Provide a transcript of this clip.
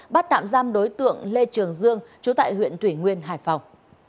bắt tạm giam đối tượng lê trường dương trú tại huyện thủy nguyên hải phòng